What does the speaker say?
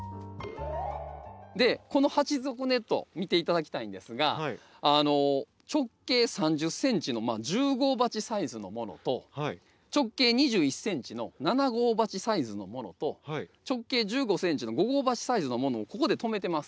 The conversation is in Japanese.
でこの鉢底ネット見て頂きたいんですが直径３０ｃｍの１０号鉢サイズのものと直径２１ｃｍの７号鉢サイズのものと直径１５ｃｍの５号鉢サイズのものをここで留めてます。